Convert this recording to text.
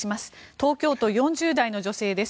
東京都４０代の女性です。